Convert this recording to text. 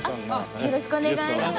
よろしくお願いします。